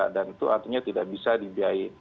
dan itu artinya tidak bisa dibiayai